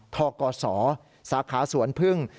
ทกศสาขาสวนพึ่ง